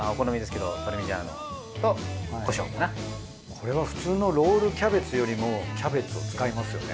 これは普通のロールキャベツよりもキャベツを使いますよね。